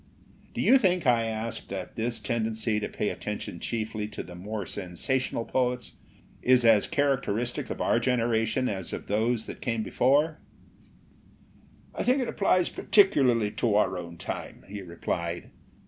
" "Do you think," I asked, "that this tendency to pay attention chiefly to the more sensational poets is as characteristic of our generation as of those that came before?'* "I think it applies particularly to our own time/' he replied.